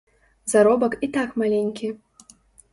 Заробак і так маленькі.